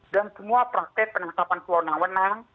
dan semua praktek penangkapan suwarna wenang